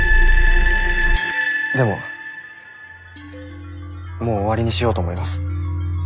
でももう終わりにしようと思います。